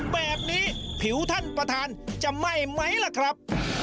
แบบนี้ผิวท่านประธานจะไหม้ไหมล่ะครับ